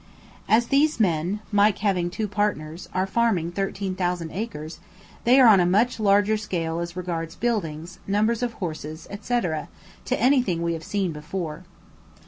As these men, Mike having two partners, are farming thirteen thousand acres, they are on a much larger scale as regards buildings, numbers of horses, etc., to anything we have seen before.